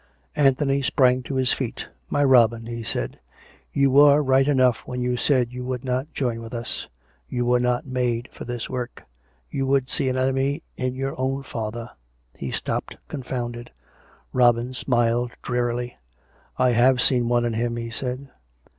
Anthony sprang to his feet. " My Robin," he said, " you were right enough when you said you would not join with us. You were not made for this work. You would see an enemy in your own father " He stopped confounded. Robin smiled drearily. " I have seen one in him," he said.